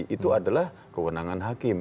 itu adalah kewenangan hakim